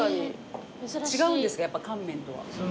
違うんですか乾麺とは。